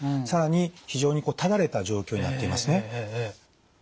更に非常にただれた状況になっていますね。